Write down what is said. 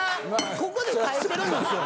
ここで耐えてるんですよ。